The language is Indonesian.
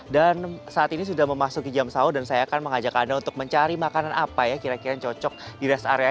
dan saat ini sudah memasuki jam sahur dan saya akan mengajak anda untuk mencari makanan apa ya kira kira yang cocok di res area